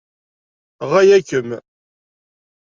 Ɣaya-kem.